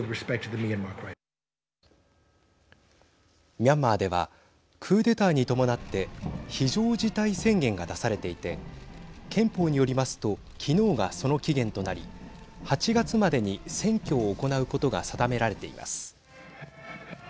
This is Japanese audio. ミャンマーではクーデターに伴って非常事態宣言が出されていて憲法によりますと昨日がその期限となり８月までに選挙を行うことが定められています。